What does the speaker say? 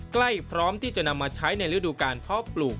พร้อมที่จะนำมาใช้ในฤดูการเพาะปลูก